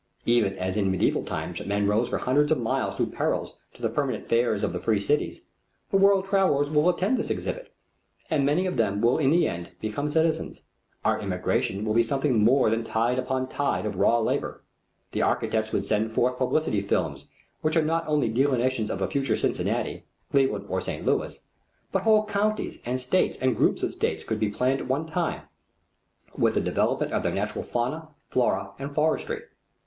Even as in mediæval times men rode for hundreds of miles through perils to the permanent fairs of the free cities, the world travellers will attend this exhibit, and many of them will in the end become citizens. Our immigration will be something more than tide upon tide of raw labor. The Architects would send forth publicity films which are not only delineations of a future Cincinnati, Cleveland, or St. Louis, but whole counties and states and groups of states could be planned at one time, with the development of their natural fauna, flora, and forestry.